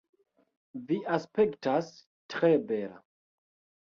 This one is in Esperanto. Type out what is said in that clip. Vi aspektas tre bela